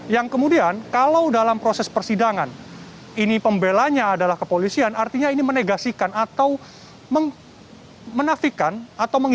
yang kemudian kalau dalam proses persidangan ini pembelanya adalah kepolisian artinya ini menegasikan atau menafikan atau menghilangkan proses hukum atau proses penyelidikan penyidikan yang sudah dilakukan oleh kepolisian itu sendiri